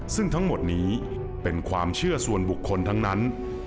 ซึ่งทั้งหมดนี้เป็นความเชื่อส่วนบุคคลทั้งนั้น